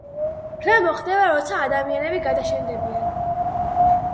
რა მოხდება როცა ადამიანები გადაშენდებიან?